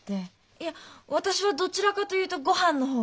いや私はどちらかと言うとごはんの方が。